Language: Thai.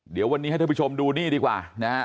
เดี๋ยววันนี้ให้ทุกผู้ชมดูนี่ดีกว่า